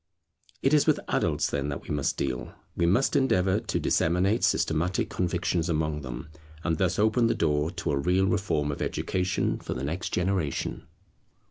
It is with adults, then, that we must deal. We must endeavour to disseminate systematic convictions among them, and thus open the door to a real reform of education for the next generation.